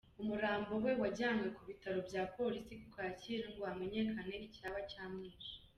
Umurambo we wajyanwe ku bitaro bya Polisi ku Kacyiru ngo hamenyekane icyaba cyamwishe.